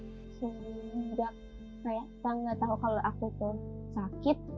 kayak kita nggak tahu kalau aku itu sakit